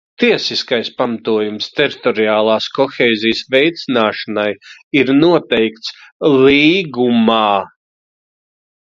Tiesiskais pamatojums teritoriālās kohēzijas veicināšanai ir noteikts Līgumā.